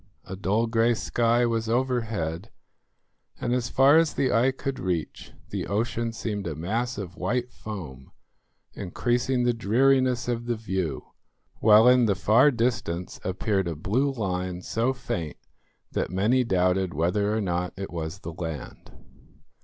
A dull grey sky was overhead, and far as the eye could reach the ocean seemed a mass of white foam increasing the dreariness of the view, while in the far distance appeared a blue line so faint that many doubted whether or not it was the land.